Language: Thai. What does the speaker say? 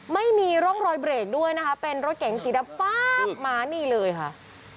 ไม่มีร่องรอยเบรกด้วยนะคะเป็นรถเก๋งสีดำฟ้าบมานี่เลยค่ะ